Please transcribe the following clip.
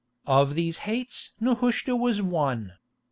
Of these hates Nehushta was one.